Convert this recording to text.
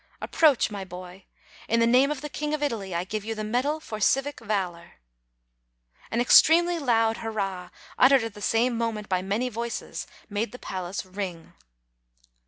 Approach, my boy. In the name of the king of Italy, I give you the medal for civic valor." An extremely loud hurrah, uttered at the same moment by many voices, made the palace ring.